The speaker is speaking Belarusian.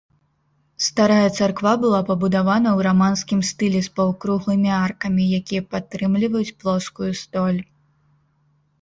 Старая царква была пабудавана ў раманскім стылі з паўкруглымі аркамі, якія падтрымліваюць плоскую столь.